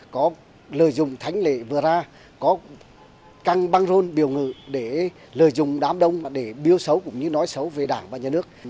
có lời dùng thánh lệ vừa ra có căng băng rôn biểu ngữ để lời dùng đám đông để biêu xấu cũng như nói xấu về đảng và nhà nước